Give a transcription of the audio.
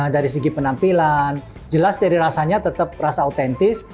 dari segi penampilan jelas dari rasanya tetap rasa autentis